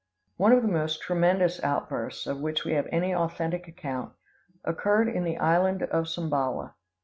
One of the most tremendous outbursts of which we have any authentic account occurred in the island of Sumbawa.